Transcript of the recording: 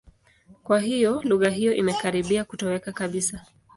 Kwa hiyo, lugha hiyo imekaribia kutoweka kabisa.